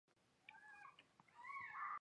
洪武十三年正月罢。